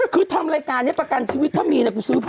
คือทำรายการนี้ประกันชีวิตถ้ามีนะกูซื้อพัน